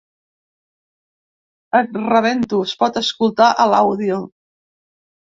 “Et rebento”, es pot escoltar a l’àudio.